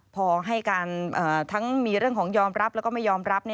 พอให้การทั้งมีเรื่องของยอมรับแล้วก็ไม่ยอมรับ